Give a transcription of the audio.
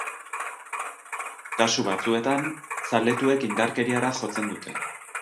Kasu batzuetan, zaletuek indarkeriara jotzen dute.